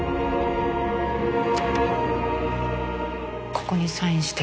ここにサインして。